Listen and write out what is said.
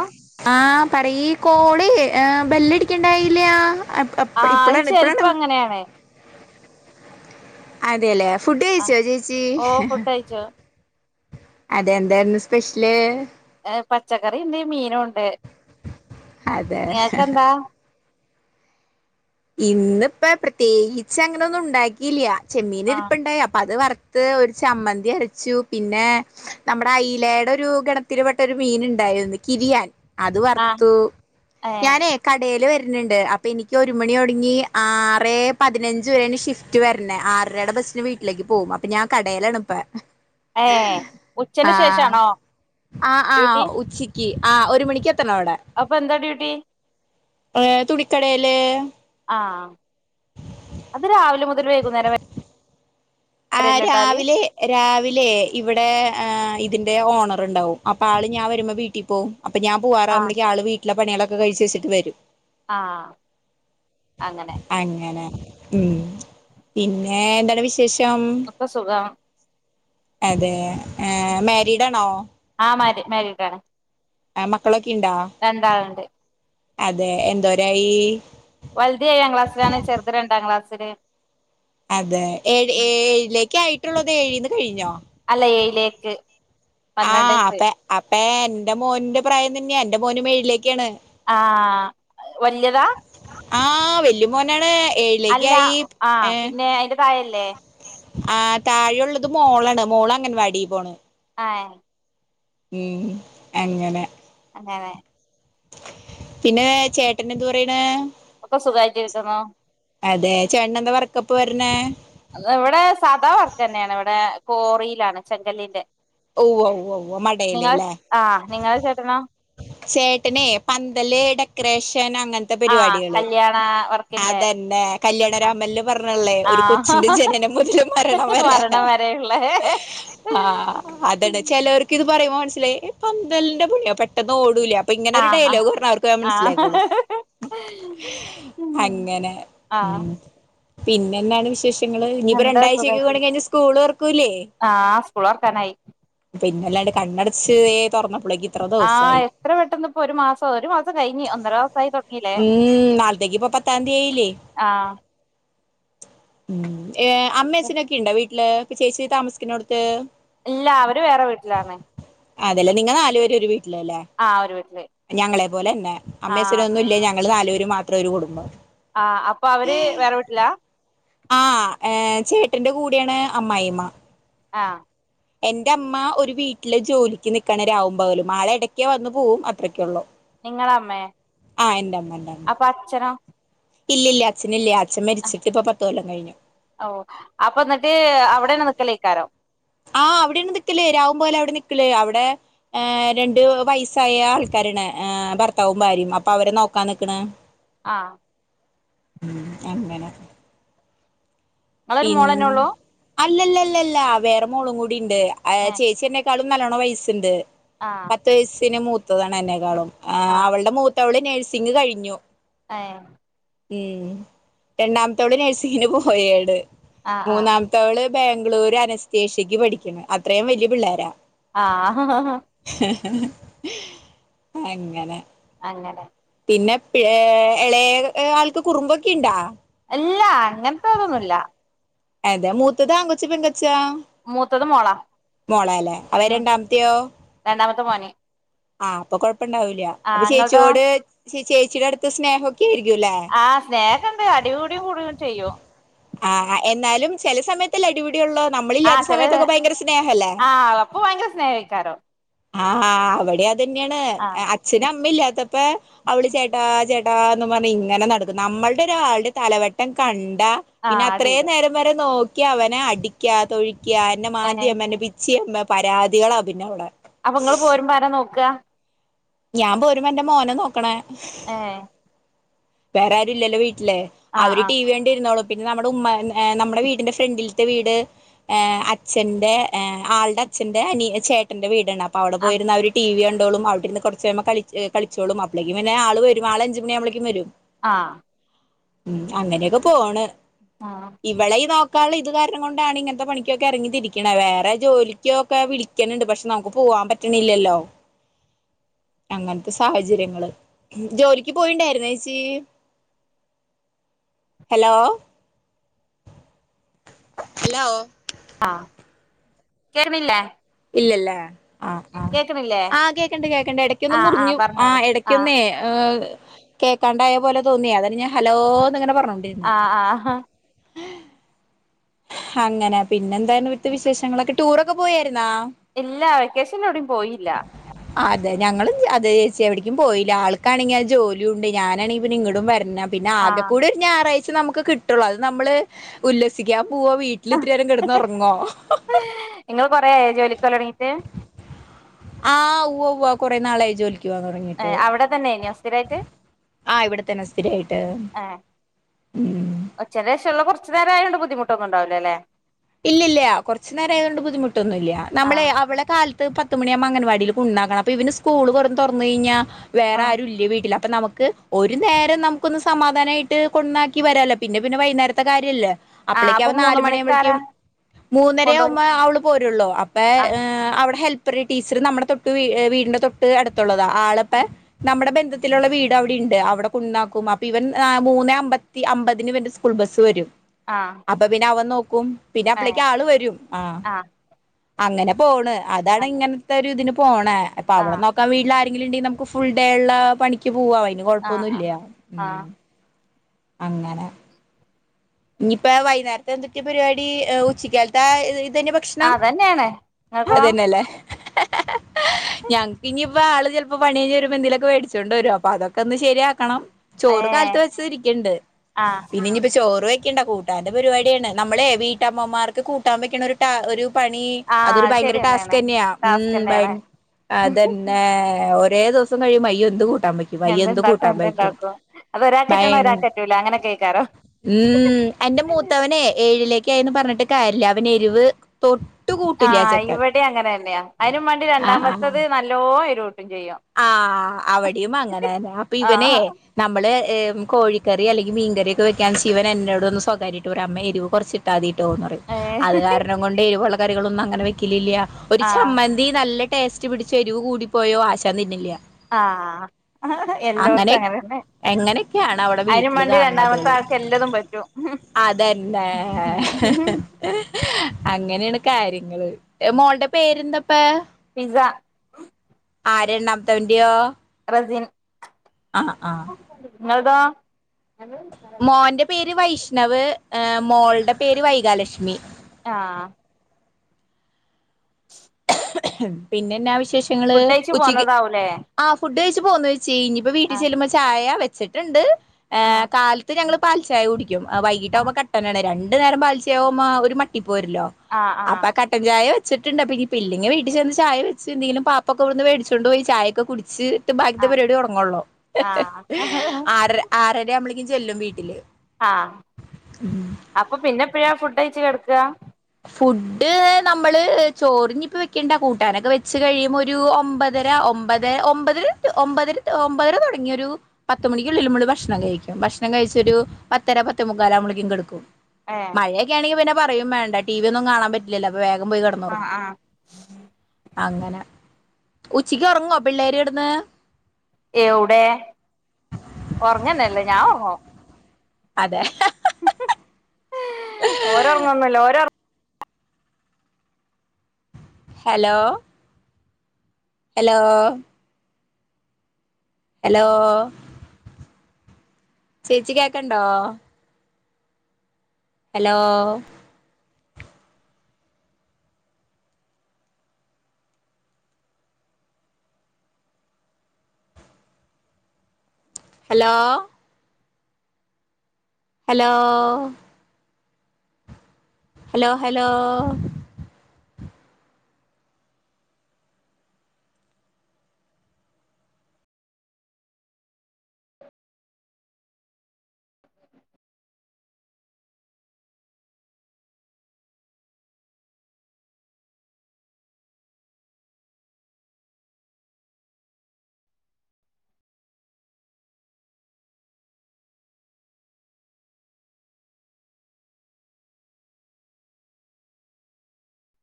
ആഹ് ആ പറയ് കോളി ഏ ബെല്ലടിക്കേണ്ടായില്ലയ ആ അത് ചെലപ്പം അങ്ങനെയാണേ അതെയല്ലെ ആഹ് ഫുഡയിച്ചോ ചേച്ചി ഓ ഫുഡ് കഴിച്ചു അതെന്തായിരുന്നു സ്പെഷ്യല് ഏ പച്ചക്കറിണ്ട് മീനും ഉണ്ട് അതെ നിയക്ക് എന്താ ഇന്നിപ്പം പ്രത്യേകിച്ച് അങ്ങനെ ഒന്നും ഉണ്ടാക്കില്ലയാ ചെമ്മീൻ ആഹ് ഇരിപ്പ്ണ്ടായി അപ്പൊ അത് വർ [unintelligible] ഒരു ചമ്മന്തി അരച്ചു പിന്നെ നമ്മുടെ അലയുടെ ഒരു ഗണത്തി പെട്ട ഒരു മീൻ ഉണ്ടായിരുന്നു കിരിയാൻ അത് ആഹ് വറത്തു ഏഹ് ഞാനേ കടേൽ വ ണ്ട് അപ്പൊ എനിക്കൊ രു മണി ഒടങ്ങി ആറെ പതിനഞ്ച് വരെന് ഷിഫ്റ്റ് വരണേ ആറരടെ ബസ്സിന് വീട്ടിലേക്ക് പോകും അപ്പൊ ഞാൻ കടയിലാണ് ഇപ്പ ഏ ഉച്ചന് ആഹ് ശേഷാണോ ഡ്യൂട്ടി [unintelligible] ആ ഒരു മണിക്ക് അപ്പൊ എന്താ ഡ്യൂട്ടി ഏ തുണിക്കടയില് ആ അത് രാവി [unintelligible] മുതൽ വൈകുന്നേരം വ ആഹ രാവിലെ രാവിലെ ഇവിടെ ആ തിന്റെ ഓണറുണ്ടാവും അപ്പൊ ആള് ഞാൻ വരുമ്പോ വീട്ടിൽ പോവും അപ്പ ഞാൻ ആഹ് പോവാറുമ്പളേക്ക് ആള് വീട്ടിലെ പണികളെ ക്ക കഴിച് വച്ചട്ട് വരും ആഹ് അങ്ങനെ അങ്ങനെ ഉം പിന്നെ എന്താണ് വിശേഷം ഒക്കെ സുഖം അതെ ഏ മാരിഡാണോ മാരിടാണ് ആ മക്കളൊക്ക രണ്ടാള്ണ്ട് അതെ എന്തോരായി വലുത് ഏഴാം ക്ലാസിലാണ് ചെറുത് രണ്ടാം ക്ലാസി ല് അതെ ഏഴ് ഏഴിലേക്ക് ആയി മറ്റുള്ളത് എഴീന്ന് കഴിഞ്ഞോ അല്ല ഏഴിലേക്ക് പന്ത്രണ്ട് ആഹ് വയസ്സ് അപ്പ അപ്പേൻ എന്റെ മോന്റെ പ്രായം തന്നെയാ എന്റെ മോനും ഏഴിലേക്കാണ് ആഹ് വല്ല്യതാ ആ വെല്ലിയ മോനാണ് അല്ല ഏഴിലേക്കായി ആഹ് ഏഹ് പിന്നെ അയിന്റെ താഴല്ലേ ആ താഴെ ഒള്ളത് മോളാണ് മോള് അംഗൻവാടി പോണ് ആഏ ഉം അങ്ങനെ അതെയതെ പിന്നെ ചേട്ടന് എന്ത് പറയ്ണ് ഒക്ക സുഖായിട്ടിരിക്കുണു അതെ ചേട്ടന് എന്താ വർക്കപ്പ വരണേ അത് ഇവിടെ സാദാ വർക്കന്നേണ് ഇവിടെ കോറിയിലാണ് ചെങ്കല്ലിന്റെ ഉവ്വ ഉവ്വ ഉവ്വ ഉവ്വ മടയില് നിങ്ങൾ ലേ ആഹ് നിങ്ങളെ ചേട്ടനോ ചേട്ടനെ പന്തല് ഡെക്കറേഷ ഷൻ അങ്ങനത്തെ ആഹ് പരിപാടികള് കല്യാണ വർക്കിന്റെ അതന്നെ കല്യാണ ആഹ് രാമൻല് പറഞ്ഞ്ള്ളേ ഒരു കൊച്ചിന്റെ ആഹ് ജനനം മുതല് മരണം വരെ മരണം വരെയുള്ള ആ അതാണ് ചിലവർക്ക് ഇത് പറയുമ്പോ മനസ്സിലായി പന്തലിന്റെ പണിയോ പെട്ടെന്ന് ഓ അപ്പൊ ഇങ്ങനെ ഒരു ആഹ് ഡയലോഗ് പറഞ്ഞ അവർക്ക് വേഗം ആഹ് മനസ്സിലായിക്കോളൂം ഉം അങ്ങനെ ആഹ് ഉം പിന്നെ എന്നാണ് വിശേഷ ങ്ങള് ഇഞ്ഞ് ഇപ്പോ എന്താ സുഖായിട്ട് രണ്ടാഴ്ചക്കൂടി കയിഞ്ഞാ സ്കൂള് തുറക്കൂല്ലേ ആഹ് സ്കൂൾ തൊറക്കാനായി അല്ലാണ്ട് കണ്ണടച്ച് ഏ തുറന്ന ആഹ് എത്ര പെട്ടന്ന് ഇപ്പോ ഒരു മാസം ഒരു മാസം കഴിഞ്ഞ് ഒന്നര മാസായി തൊടങ്ങി ല്ലേ പത്താന്തിയേയിലേ ഉം അമ്മേഅച്ഛനും ഒക്കെ ഉണ്ടാ വീ ല് ഇപ്പചേച്ചി താമസിക്കുന്നോടുത്ത് ഇല്ല അവര് വേറെ വീട്ടിലാണ് അതെല്ലേ നിങ്ങ നാല് പേരും ഒരു ട്ട് ല് ലെ ആ ഒരു വീട്ടില് ഞങ്ങളെ പോലെന്നെ ആ അമ്മേഅച്ഛനും ഒന്നൂല്യ ഞ ഞങ്ങള് നാലുപേര് മാത്രം ഒരു കുടുംബം ആഹ അപ്പൊ അവര് വേറെ വീട്ടില ആ ഏ ചേട്ടന്റെ കൂടെയാണ് അമ്മായിമ്മ ആഹ എന്റെ അമ്മ ഒരു വീട്ടില് ജോലിക്ക് നിക്കാണ് രാവും പകലും ആള് ഇടയ്ക്ക് വന്നു പോകും അതക്കെ ഉള്ളു നിങ്ങളമ്മേ അപ്പൊ അച്ഛനോ ഇല്ല ഇല്ല അച്ഛനില്ല അച്ഛൻ മരിച്ചിട്ട് ഇപ്പൊ പത്ത് കൊല്ലം കഴിഞ്ഞു ഓ അപ്പൊ എന്നിട്ട് അവിടാന്നോ വെക്കലൊക്കെ ആഹ് അവിടാണ് നിക്കല് രാവും പകലും അവിടെ നിക്കല് അവിടെ രണ്ട് വയസ്സായ ആൾക്കാരാണ് ഭർത്താവും ഭാര്യയും അപ്പൊ അവരെ നോക്കാ നിക്കണ് ആഹ ഉം എങ്ങനെ നിങ്ങളൊരു മോളന്നെ ഉള്ളൂ അല്ലല്ല അല്ലല്ല വേറെ മോളും കൂട്ടി ണ്ട് ഏ ചേച്ച [unintelligible] ളും നല്ലോണം വയസ്സുണ്ട് ആ പത്ത് വയസ്സന് മൂത്ത മൂത്തതാണ് എന്നെക്കാളും ആ അവളുടെ മൂത്തവള് നഴ്സിംഗ് കഴിഞ്ഞു ആഹ ഉം രണ്ടാമത്തവള് നഴ്സിങ്ങിന് പോയട് ആ ആ മൂന്നാത്തവള് ബാംഗ്ലൂര് അനസ്തേഷ്യക്ക് പഠിക്കണ് അത്രയും വലിയ പിള്ളോരാ ആ ഹഹഹ ഹി അങ്ങനെ അങ്ങെ [unintelligible] പിന്നെ പി ഇളയ ആൾക്ക് കുറുമ്പൊക്കെ ഉണ്ടാ ഇല്ല അങ്ങാത്തതൊന്നും ഇല്ല അതെ മൂത്തത് ആൺകുട്ടി [unintelligible] ച്ച മൂത്തത് മോളാ മോളാലേ അപ്പൊ രണ്ടാമത്തയോ വർമാ [unintelligible] ആഹ് അപ്പൊ കൊഴപ്പം പ്പണ്ടാവില്ല അപ്പൊ ചേച്ചിയോട് ചേച്ചിയുടെ അടുത്ത് സ്നേഹൊ ആഹ് സ്നേഹണ്ട് അടികൂടി കുറിയും ചെയ്യും ആ അ എന്നാലും ചെല സമയത്തല്ലേ അടിപി ആ ചെലര് ആഹ് അപ്പു ഭയങ്കര സ്നേഹിക്കാരോ ഹാ ആ അവൻ ടെ അതന്നെയാണ് ഏഹ് അച്ഛനും അമ്മയില്യാ ത്തപ്പെ അവള് ചേട്ടാ ചേട്ടാ എന്ന് പറഞ്ഞ് ഇങ്ങനെ നടക്കും നമ്മൾടെ ഒരാൾടെ തലവെട്ടം കണ്ടാ ആ പിന്നെ അത്രേം അടിയിടും നേരം വരെ നോ ക്കി അവന അടിക്കാ തൊഴി ക്യാ എന്ന ഏ മാന്ത്യേം എന്ന പിച്ചിയമ്പം പരാതികളാ പിന്നെ ഒള്ളേ അപ്പൊ ങ്ങള് പോരുമ്പ ആരാ നോക്ക ഞാൻ പോരുമ്പ എന്റെ മോനെ നോ ക്കണേ ഏ വ്യാറെയാരും ഇല്ലല്ലോ വീ ല്ലെ ആഹ് അവര് ആഹ് ടി വി കണ്ടിരുന്നോളും പിന്നെ നമ്മുടെ ഉമ്മനെ ഏ നമ്മുടെ വീടിൻ്റെ ഫ്രണ്ടിൽത്തെ വീട് ഏഹ് അച്ഛൻ്റെ ഏഹ് ആൾടെ അച്ഛൻ്റെ അനിയ ചേട്ടൻ്റെ വീടണ് അ അപ്പ അവിടെ ആഹ് പോയിരുന്നവരു ടി വി കൺ ട്ടോളും അവിടിരുന്ന് കൊറച്ച്യമ്പം കളിച്ച് ഏഹ് കളിച്ചോളും അപ്പളേക്കും ന്നെ ആള് വരും ആള് അഞ്ചു മണിയുമ്പോളേക്കും വരും ആഹ് ഉം അങ്ങനെയൊക്കെ പോണ് ആഹ് ഇവളെ ഈ നോ ക്കാൾ ഇത് കാരണം കൊണ്ടാണ് ഇങ്ങനത്തെ പണിക്കൊക്കെ എറങ്ങി തിരിക്കണെ വേറെ ജോലിക്കൊക്കെ വിളിക്കണണ്ട് പക്ഷെ നമുക്ക് പോവാം പറ്റണില്ലല്ലോ അങ്ങനത്തെ സാഹചര്യങ്ങള് ഉം ജോലിക്ക് പോയിണ്ടായിരുന്നാ എച് ച്ചീ ഹലോ ഹലോ ആ യ്ക്കാരുന്നില്ലേ ഇല്ലല്ലാ ആഹ് ആഹ് ആ കേക്കണ്ട് കേക്കണ്ട് എടക്കൊന്ന് ആഹ് ആഹ് മുറിഞ്ഞു ആ പറഞ്ഞോളി ആഹ് എടയ്ക്കൊന്നേ ഉം കേക്കാണ്ടായ പോലെ തോന്നിയ അതാന് ഞാൻ ഹലോ ന്നങ്ങനെ പറനോണ്ടിന്ന ആഹ് ആഹ് അങ്ങനെ പിന്നെന്തായിരുന്നു ഇവിത്തെ വിശേഷങ്ങളൊക്കെ ടൂറൊക്കെ പോയാരുന്നാ ഇല്ല വെക്കേഷനവ്ടയും പോയില്ല ആ അതെ ഞങ്ങളും ച അത് ചേച്ചി എവിടേക്കും പോയില്ല ആൾക്കാണെങ്കി ആ ജോലിയുണ്ട് ഞാനാണെങ്കിപ്പിന്നെ ഇങ്ങടും വെരന്നം പിന്ന ആകെ ആഹ് കൂടെ ഒരു ഞാറായ് ക്ഷ് നമുക്ക് കിട്ടുള്ളൂ അത് നമ്മള് ഉല്ലസ് ഇഗ്യാം പൂവോ വീട്ടില് ഇത്തിരിയരം കെടന്ന് ഒറങ്ങോ കൊറെയായോജോലിക്കൊല്ലാംഇറങ്ങീട്ട് പോുകുടെ നാളേയ ജോലിക്ക് പോവാൻ ആ തുടങ്ങിയിട്ട് അവിടെ തന്നെ സ്ഥിരായിട്ട് ആഹ് ഇവിടെത്തന്നെ സ്ഥിരായിട്ട് ആ ഒച്ചേന്റെ വേഷമുള്ള കുറച്ചു നേര ആയണ്ട് ബുദ്ധിമുട്ടൊന്നൂംഉണ്ടാവില്ല ല്ലേ ഇല്ല്ല്ല കുറച്ച്നേര് ആയതുകൊണ്ട് ബുദ്ധിമുട്ടൊന്നും ഇല്ല നമ്മളെ ആഹ് അവളെ കാലത്ത് പത്ത് മണിയാവുമ്പം അങ്ങൻവാടി ഉണ്ടാക്കണം അപ്പൊ ഇവന്സ്കൂള് പുറം തുറന്നു കഴിഞ്ഞാ പി വേറെ ആഹ് ആരും ഇല്ലേ വീട്ടില് നമുക്ക് ഒരു നേരം നമുക്കൊന്ന് സമാധാനമായിട്ട് കൊണ്ടന്നാക്കി വരല്ലോ പിന്നെ പിന്നെ വൈകുന്നേരത്തെ കാര്യംല്ലേ ആഹ അപ്പൊ മൂന്ന് മണിക്കാരാ കൊണ്ടുപോയി മൂന്നരകുമ്പോ അവള് പോരുള്ളൂ അപ്പെ ആഹ് അവിടെ ഹെൽപ് ഇപ്പഴ ടീച്ചറ് നമ്മുടെ തൊട്ട് വീടിന്റെ തൊട്ട് അടുത്തുള്ളത ആളപ്പേ നമ്മുടെ ബന്ധത് ത്തിലുള്ള വീട് അവിടെ ഇണ്ട് അവിടെ കുണ്ടാക്കും അപ്പൊ ഇവൻ മൂന്നേ അമ്പത്തി അമ്പതിന് ഇവന്റെ സ്കൂൾ ബസ്സ് വരും ആഹ് അപ്പൊ പിന്നെ അവൻ നോക്കും പിന്നെ ഏഹ് അപ്പളേക്ക് ആള് വരും ആ ആഹ് അങ്ങനെ പോണ് അതാണ് അങ്ങനെ ഇങ്ങനത്തെ ഒരു ഇതിന് പോണ് അപ്പ അവളെ ആഹ് നോക്കാൻ വീട്ടിലുംആര് ഇല്ലെ ഫുൾ ഡേ ഉള്ള പണിക്ക് പോവാംഅതിന് ആഹ് കൊഴപ്പൊന്നുംല്ല ആഹ് ആഹ് അങ്ങനെ ഇനിയിപ്പ വൈകുനേരത്തെ എന്തൊക്കയ പരിപാടി് ഉച്ചക്കാലത്തെ ഇരി അത് തന്നെ ഭക്ഷണം അതന്നെയാണ് നിങ്ങക്കോ അത് തന്നല്ലേ ഞങ്ങക്ക് ഇനിയിപ്പോ ആള് ചിലപ്പോ പണികഴിഞ്ഞുവരുമ്പോൾ എന്തിലൊക്കെ മേടിച്ചൂകൊണ്ട് വരും അപ്പൊ അതൊക്കെ ഒന്ന് ശരിയാ വെയ്ക്കണം ചോറ് ഏഹ് കാലത്ത് വെച്ചത് ഇരിക്കുണ്ട് ആഹ് പിന്നെ ഇനിപ്പം ചോറ് വയ് കൂട്ടാൻന്റെ പരിപാടിയാണ് നമ്മളെ വീട്ടമ്മമാർക്ക് കൂട്ടാൻ വെക്കണ ഒരു ഒരു ടാസ പണി അതൊരു ആഹ് ഭയങ്കര ടാസ്ക് ശരിയെന്നേണ് തന്നെയാ ഉം ഭയ ടാസ്ക്കെന്നേണ് അതെന്ന ഒരേദിവസം കഴിയുംമ്പ്അയ്യോ എന്ത് കൊട് എന്താഉണ്ടാക്കും എന്താഉണ്ടാക്കും അത് ഭയ ഒരാക്ക്പറ്റണ ഒരാക്ക്പറ്റൂല്ല അങ്ങനെ കേക്കാറോ ഉം എന്റെ മൂത്തവനെ ഏ ഏഴിലേക്ക്ആയിന്ന് പറഞ്ഞിട്ട് കാര്യല്ല അവൻ എരിവ് തൊ ആഹ് ഇവിടെ അങ്ങനെ തന്നെയാ അതിനും വണ്ടി രണ്ടാമത്തത് നല്ലോരു ആ അവിടെയും അങ്ങനെ തന്നെ അപ്പൊ ഇവനെ ആഹ് നമ്മള് കോഴിക്കറി അല്ലെങ്ക മീൻറിയൊക്കെ വെക്കാൻശിവൻ എന്നോടൊന്ന് സ്വകാര്യ മായിട്ട് റയും ഒരു അമ്മ എരി് കുറച്ച് ഇട്ടാതിയിട്ട് അത് ഏഹ് കാരണം കൊണ്ട ഇ കറികളന്നുംങ്ങനെ വെക്കില്ല ഒരു ആഹ് ചമ്മന്തി നല്ല ടേസ്റ്റ് പിടിച്ച എരിവ് കൂടിപ്പോയ ആശ തെന്നിട്ടില്ല ആഹ് അങ്ങനെ എല്ലോട്ത്തും അങ്ങനെന്നെ എങ്ങനെക്കെയാണ് അവിടെ അയ്നും വീട്ടില് മാണ്ടി കാണുന്നത് രണ്ടാമത്തെ ആൾക്ക് എല്ലതും പറ്റും അതല്ലേ അങ്ങനെയണ് കാര്യം ന്റ മോൾട പേരന്തപ്പാ പിസ ആ രണ്ടാമത്തവന്റെയോ വജൻ ആഹ് ആഹ് നീ എവ്‌ടാ മോന്റെ പേര് വൈഷ് ണവ് മോൾടെ പേര് വൈഗാലക്ഷ്മി ആഹ് പിന്നെന്നാ വിശ് ഷങ്ങള് ഫുഡ്ഡയ്ച്ച് ഉച്ചക്ക് പോന്നതാവൂലേ ആഹ് ഫുഡ് കഴിച് [unintelligible] ചേയ്ഞ്ഞ് ഇപ്പോ വീട്ടി ആഹ് ചെല്ലുമ്പോ ചായ വെച് ച്ചിട്ടുണ്ട് ഏഹ് ആഹ് കാലത്ത് ഞങ്ങള് പാൽ ചായ കുടിക് അ ആഹ് വൈയ്യിട്ടാവുമ്പൊ കട്ടനാണെ രണ്ടു നേരം പാലിച്ചയാവുമ്പ ഒരു മട്ടി പോരില്ലോ ആഹ് ആഹ് അപ്പ കട്ടൻ ചായ ചെട്ടുണ്ട പിരി പില്ലെങ്കി വീട്ടിൽ ചെന്ന് ചായ വെച്ച് ന്തെങ്കിലും പാപ്പൊക്കെവിടുന്ന് മേടിച്ചൊണ്ട് പോയി ചായൊക്കെ കുടിച്ച് ബാക് ത്തെ ആഹ് പരിപാടി തുടങ്ങുള്ളൂ ആഹ് ആറര ആറര ആവുമ്പോളേക്കും ചെല്ലും വീട്ടില് ആഹ് അപ്പൊ പിന്ന എപ്പഴാ ഫുഡ് കഴിച്ചു കിടക്കുക ഫുഡ് നമ്മള് ചോറിനിപ്പ വെക്കണ്ട കൂട്ടാനൊക്കെ വെച്ച് കഴിയുമ്പോ ഒരു ഒമ്പതര ഒമ്പത് ഒമ്പതര ഒമ്പതര ഒമ്പതര തുടങ്ങി ഒരു പത്തുമണിക്കുള്ളിൽ നമ്മള് ഭക്ഷണം കഴിക്കും. ഭക്ഷണം കഴിച്ച് ഒരു പത്തര പത്തേ മുക്കാലാവുമ്പോളേക്കും കിടക്കും ഏഹ് മഴയൊക്കെ ആണെങ്കിൽ പിന്നെ പറയും വേണ്ട ടിവി ഒന്നും കാണാൻപറ്റില്ലാലോ അപ്പോ വേഗം പോയി ആ കെടന്നൊറങ്ങും ആ അങ്ങനെ ഉച്ചക്ക് ഉറങ്ങുവോ പിള്ളേര് കിടന്ന് എവ്ടെ ഞാ ഉറങ്ങും അതെ ക ഹി ഹി ഓരോറങ്ങൊന്നില്ല ഓരോ ഹലോ ഹലോ ഹലോ ചേച്ചി കേക്കണ്ടോ hello hello hello hello hello